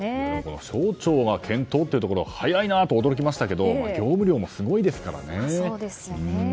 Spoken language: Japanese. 省庁が検討っていうところが早いなと思いましたけど業務量もすごいですからね。